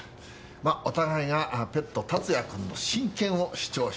まあお互いがペット達也君の親権を主張しています。